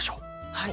はい。